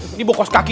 ini bau kos kaki